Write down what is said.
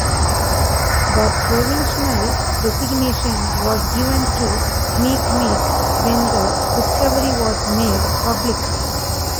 The provisional designation was given to Makemake when the discovery was made public.